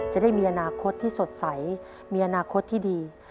จะได้มีอนาคตที่สดใสมีอนาคตที่ดี